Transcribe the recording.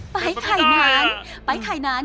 ไปไข่นานไปไข่นาน